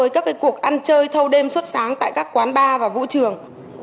các cuộc ăn chơi thâu đêm suốt sáng tại các quán bar và vũ trường